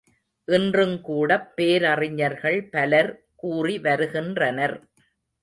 இன்றுங் கூடப் பேரறிஞர்கள் பலர் கூறி வருகின்றனர்.